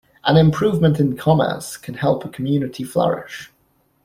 An improvement in commerce can help a community flourish.